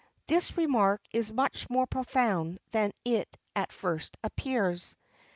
[XXX 7] This remark is much more profound than it at first appears.